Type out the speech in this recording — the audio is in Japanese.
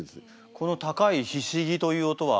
この高いヒシギという音は？